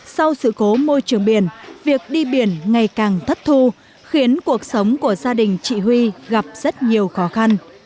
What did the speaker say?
sau sự cố môi trường biển việc đi biển ngày càng thất thu khiến cuộc sống của gia đình chị huy gặp rất nhiều khó khăn